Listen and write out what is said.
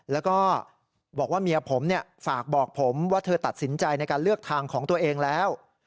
แล้วก็บอกว่าเมียผมฝากบอกผมว่าเธอตัดสินใจในการเลือกทางของตัวเองแล้ว